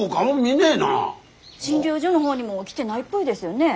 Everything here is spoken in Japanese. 診療所の方にも来てないっぽいですよね。